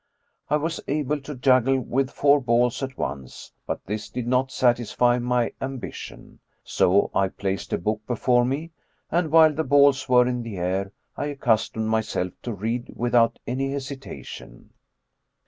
I was able to juggle with four balls at once. But this did not satisfy my ambition; so I placed a book before me, and, while the balls were in the air, I accustomed myself to read without any hesitation.